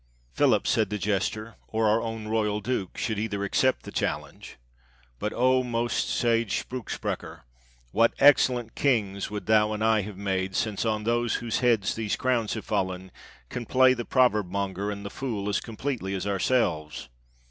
"Philip," said the jester, "or our own Royal Duke, should either accept the challenge — But oh, most sage spruch sprecher, what excellent kings would thou and I have made, since those on whose heads these crowns have fallen, can play the proverb monger and the fool as completely as ourselves!"